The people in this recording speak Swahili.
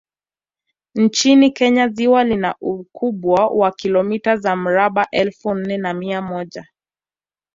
Nchini Kenya ziwa lina ukubwa wa kilomita za mraba elfu nne na mia moja